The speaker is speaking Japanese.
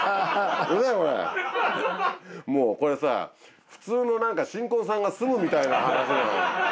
もうこれさぁ普通の新婚さんが住むみたいな話の。